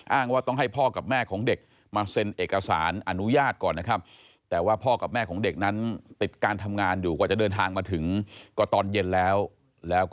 อ้างว่าต้องให้พ่อกับแม่ของเด็กมาเซ็นเอกสารอนุญาตก่อนนะครับแต่ว่าพ่อกับแม่ของเด็กนั้นติดการทำงานอยู่กว่าจะเดินทางมาถึงก็ตอนเย็นแล้ว